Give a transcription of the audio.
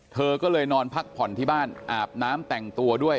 เธอก็เลยนอนพักผ่อนที่บ้านอาบน้ำแต่งตัวด้วย